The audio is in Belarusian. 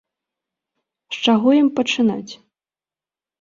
З чаго ім пачынаць?